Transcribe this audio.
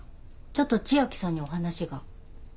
ちょっと千明さんにお話が。